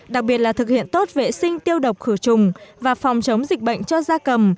đặc biệt là thực hiện tốt vệ sinh tiêu độc khử trùng và phòng chống dịch bệnh cho gia cầm